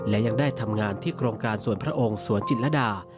และยังได้ทำงานที่โครงการสวนพระองค์สวนจิตรดา